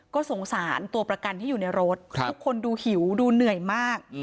ก็สงสารตัวประกันที่อยู่ในรถทุกคนดูหิวดูเหนื่อยมาก